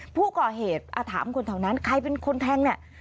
ผู้ก่อเหตุถามคนเท่านั้นใครเป็นคนแทง